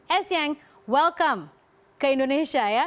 esiang welcome ke indonesia ya